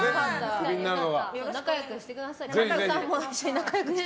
仲良くしてください、皆さん。